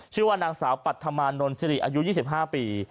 ชื่อว่านางสาวปัธมานนท์สิริอายุ๒๕ปี